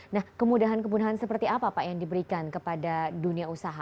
nah kemudahan kemudahan seperti apa pak yang diberikan kepada dunia usaha